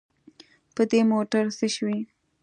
په دې موټر څه شوي.